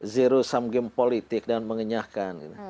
zero sum game politik dan mengenyahkan